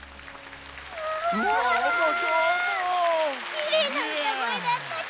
きれいなうたごえだったち。